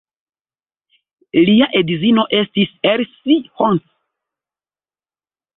Lia edzino estis Erzsi Hont.